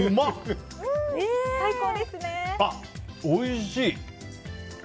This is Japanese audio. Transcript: おいしい。